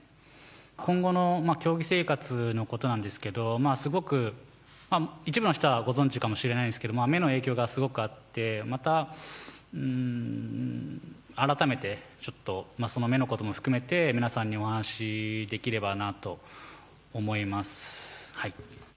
今後の競技生活のことなんですけど、すごく、一部の人はご存じかもしれないんですけど、目の影響がすごくあって、また改めてちょっと目のことも含めて、皆さんにお話できればなと思います。